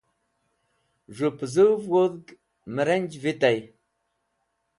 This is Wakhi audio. z̃hu puzuv wudg mẽrenj vitay